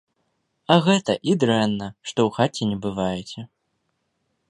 А гэта і дрэнна, што ў хаце не бываеце!